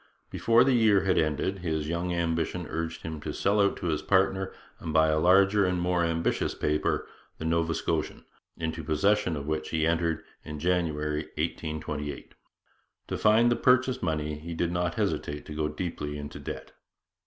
Before the year had ended his young ambition urged him to sell out to his partner and to buy a larger and more ambitious paper, the Nova Scotian, into possession of which he entered in January 1828. To find the purchase money he did not hesitate to go deeply into debt.